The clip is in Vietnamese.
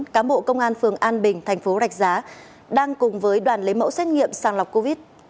một cán bộ công an phường an bình thành phố rạch giá đang cùng với đoàn lấy mẫu xét nghiệm sàng lọc covid